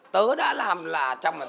tớ đã làm là một trăm linh